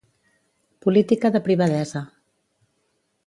Política de privadesa.